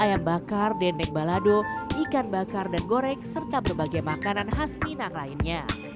ayam bakar dendeng balado ikan bakar dan gorek serta berbagai makanan khas minang lainnya